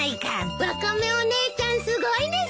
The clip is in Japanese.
ワカメお姉ちゃんすごいです。